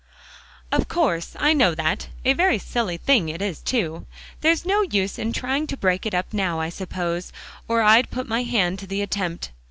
"Of course. I know that; a very silly thing it is too. There's no use in trying to break it up now, I suppose, or I'd put my hand to the attempt.